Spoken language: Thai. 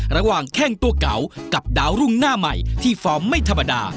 แข้งตัวเก่ากับดาวรุ่งหน้าใหม่ที่ฟอร์มไม่ธรรมดา